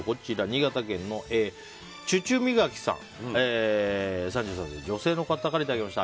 新潟県の方、３３歳女性の方からいただきました。